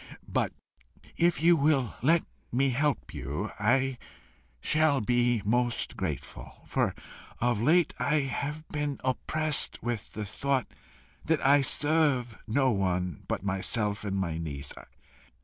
But if you will let me help you, I shall be most grateful; for of late I have been oppressed with the thought that I serve no one but myself and my niece.